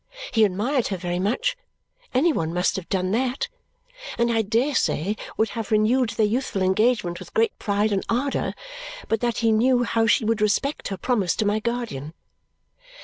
He admired her very much any one must have done that and I dare say would have renewed their youthful engagement with great pride and ardour but that he knew how she would respect her promise to my guardian.